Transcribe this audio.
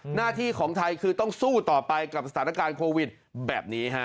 หน้าที่ของไทยคือต้องสู้ต่อไปกับสถานการณ์โควิดแบบนี้ฮะ